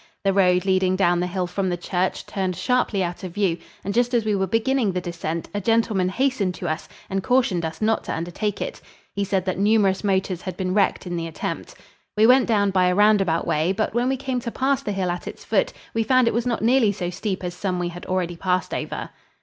The road leading down the hill from the church turned sharply out of view, and just as we were beginning the descent a gentleman hastened to us and cautioned us not to undertake it. He said that numerous motors had been wrecked in the attempt. We went down by a roundabout way, but when we came to pass the hill at its foot, we found it was not nearly so steep as some we had already passed over.